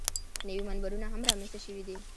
نوي منبرونه هم رامنځته شوي دي.